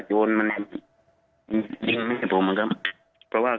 คุณประทีบขอแสดงความเสียใจด้วยนะคะ